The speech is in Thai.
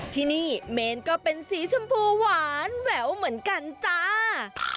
ที่นี่เมนก็เป็นสีชมพูหวานแหววเหมือนกันจ้า